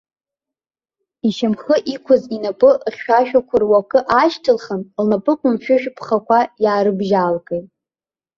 Ишьамхы иқәыз инапы хьшәашәақәа руакы аашьҭылхын, лнапы ҟәымшәышә ԥхақәа иаарыбжьалкит.